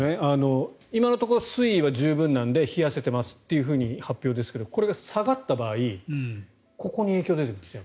今のところ水位は十分なので冷やせてますということですがこれが下がった場合ここに影響が出てくるんですね。